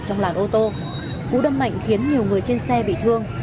trong làn ô tô cú đâm mạnh khiến nhiều người trên xe bị thương